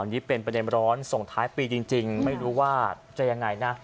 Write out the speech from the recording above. นี่เป็นประเด็นร้อนส่งท้ายปีจริงไม่รู้ว่าจะยังไงนะ